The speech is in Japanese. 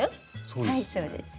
はいそうです。